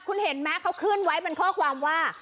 คุณเห็นมั้ยเขาคืนไว้เป็นข้อความว่า